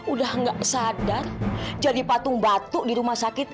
udah nggak sadar jadi patung batuk di rumah sakit